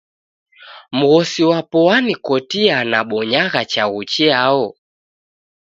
Mghosi wapo wanikotia nabonyagha chaghu chiao.